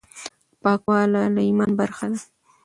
پاکواله د ایمان برخه ده.